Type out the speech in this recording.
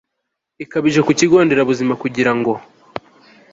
ikabije ku kigo nderabuzima kugira ngo